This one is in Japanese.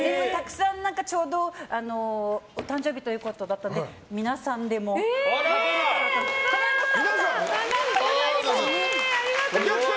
ちょうどお誕生日ということだったのでありがとうございます。